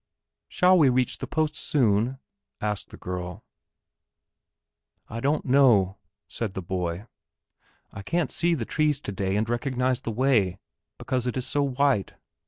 "Shall we reach the post soon?" asked the girl. "I don't know," said the boy, "I can't see the trees today and recognize the way, because it is so white.